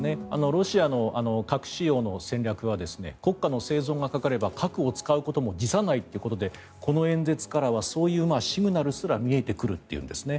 ロシアの核使用の戦略は国家の生存がかかれば核を使うことも辞さないということでこの演説からはそういうシグナルすら見えてくるというんですね。